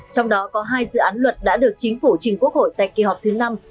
trong đó có hai dự án luật đã được chính phủ trình quốc hội tại kỳ họp thứ năm